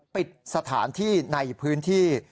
ปิดสถานที่ในพื้นที่